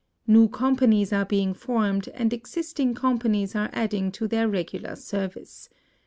New com panies are being formed, and existing com panies are adding to their regular service.